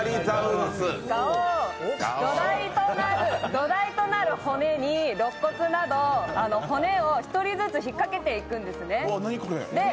土台となる骨にろっ骨など骨を１人ずつ引っ掛けていくんですね。